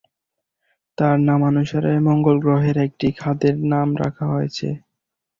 তার নামানুসারে মঙ্গল গ্রহের একটি খাদের নাম রাখা হয়েছে।